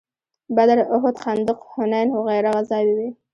بدر، احد، خندق، حنین وغیره غزاوې وې.